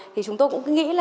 thì chúng tôi cũng nghĩ là